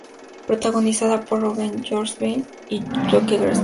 Protagonizada por Rogen, Rose Byrne, Zac Efron y Chloe Grace Moretz.